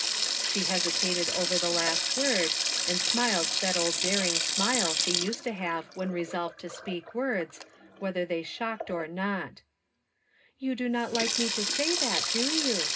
She hesitated over the last M^ord, and smiled that old daring smile she used to have when resolved to speak words, whether they shocked or not " You do not like me to say that, do you